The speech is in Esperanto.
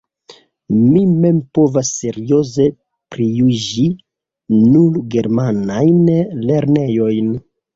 Mi mem povas serioze prijuĝi nur germanajn lernejojn.